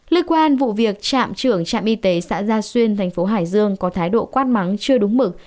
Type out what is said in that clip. lưu quan vụ việc trạm trưởng trạm y tế xã gia xuyên tp hải dương có thái độ quát mắng chưa đúng mực